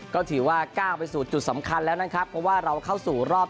ก็ถือว่าก้าวไปสู่จุดสำคัญแล้วนะครับเพราะว่าเราเข้าสู่รอบ